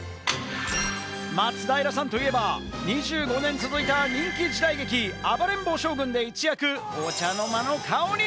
松平さんといえば、２５年続いた人気時代劇『暴れん坊将軍』で一躍お茶の間の顔に。